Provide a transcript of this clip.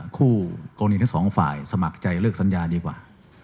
คู่กรณีทั้งสองฝ่ายสมัครใจเลิกสัญญาดีกว่า